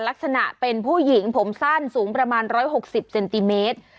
ลักษณะเป็นผู้หญิงผมสั้นสูงประมาณ๑๖๐เซนติเมตร